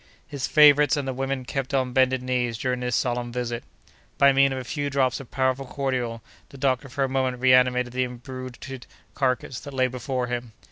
His favorites and the women kept on bended knees during this solemn visit. By means of a few drops of powerful cordial, the doctor for a moment reanimated the imbruted carcass that lay before him.